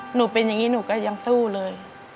หนูเป็นอย่างนี้หนูก็ยังสู้เลย